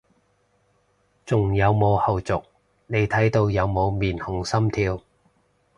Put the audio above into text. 仲有冇後續，你睇到有冇面紅心跳？